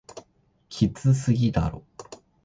きつすぎだろ